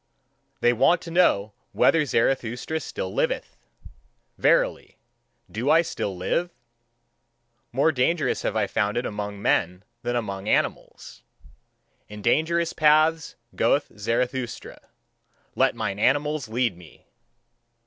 They want to know whether Zarathustra still liveth. Verily, do I still live? More dangerous have I found it among men than among animals; in dangerous paths goeth Zarathustra. Let mine animals lead me!"